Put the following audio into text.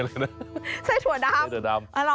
ไส้ถั่วดำ